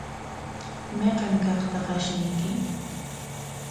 ¿Mayqa kaqtaq ashnuyki?